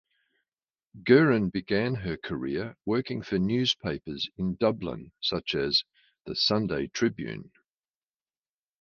Guerin began her career working for newspapers in Dublin such as the "Sunday Tribune".